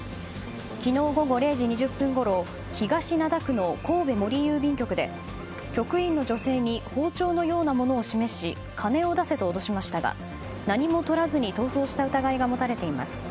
昨日午後０時２０分ごろ東灘区の神戸森郵便局で局員の女性に包丁のようなものを示し金を出せと脅しましたが何もとらずに逃走した疑いが持たれています。